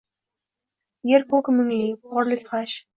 Yer-ko’k mungli, borlik g’ash